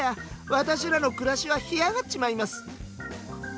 私らの暮らしは干上がっちまいます」。